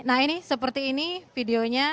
nah ini seperti ini videonya